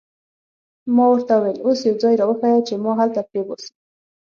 ما ورته وویل: اوس یو ځای را وښیه چې ما هلته پرېباسي.